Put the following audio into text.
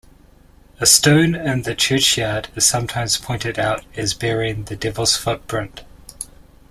A stone in the churchyard is sometimes pointed out as bearing the Devil's footprint.